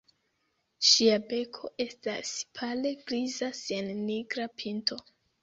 Ŝia beko estas pale griza sen nigra pinto.